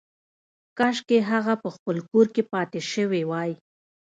کاشکې هغه په خپل کور کې پاتې شوې وای